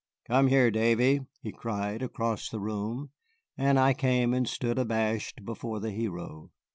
"Come here, Davy," he cried across the room, and I came and stood abashed before the hero.